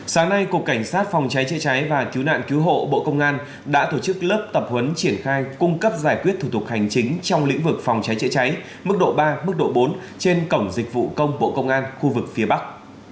sáng nay cục cảnh sát phòng cháy chữa cháy và cứu nạn cứu hộ bộ công an đã tổ chức lớp tập huấn triển khai cung cấp giải quyết thủ tục hành chính trong lĩnh vực phòng cháy chữa cháy mức độ ba mức độ bốn trên cổng dịch vụ công bộ công an khu vực phía bắc